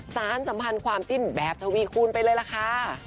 สารสัมพันธ์ความจิ้นแบบทวีคูณไปเลยล่ะค่ะ